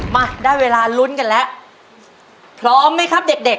มาได้เวลาลุ้นกันแล้วพร้อมไหมครับเด็กเด็ก